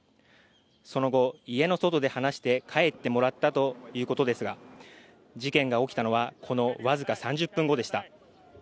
その後、家の外で話して帰ってもらったということですが、事件が起きたのは、この僅か３０分後でした。